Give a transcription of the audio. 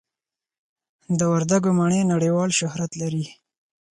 د وردګو مڼې نړیوال شهرت لري.